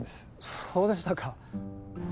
そうでしたか。